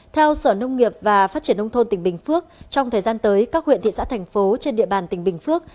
theo sở nông nghiệp và phát triển nông thôn tỉnh bình phước trong thời gian tới các huyện thị xã thành phố trên địa bàn tỉnh bình phước